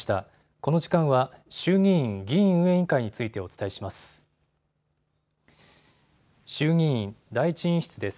この時間は衆議院議院運営委員会についてお伝えします。